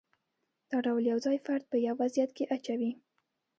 دا ټول یو ځای فرد په یو وضعیت کې اچوي.